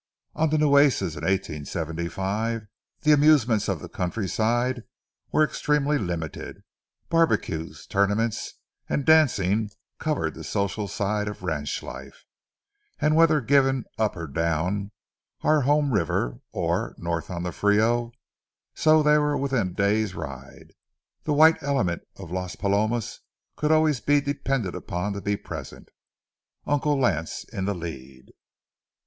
On the Nueces in 1875, the amusements of the countryside were extremely limited; barbecues, tournaments, and dancing covered the social side of ranch life, and whether given up or down our home river, or north on the Frio, so they were within a day's ride, the white element of Las Palomas could always be depended on to be present, Uncle Lance in the lead.